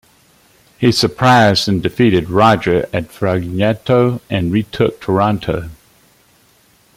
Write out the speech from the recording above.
He surprised and defeated Roger at Fragneto and retook Taranto.